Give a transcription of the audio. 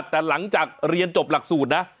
แต่หลังจากเรียนจบหลักสูตรนะ